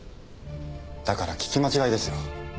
だから聞き間違いですよ。